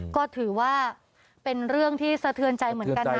ก็ถือว่าเป็นเรื่องที่สะเทือนใจเหมือนกันนะ